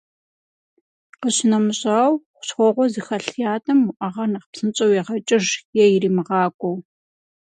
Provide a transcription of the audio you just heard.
Къищынэмыщӏауэ, хущхъуэгъуэ зыхэлъ ятӏэм уӏэгъэр нэхъ псынщӏэу егъэкӏыж, е иримыгъакӏуэу.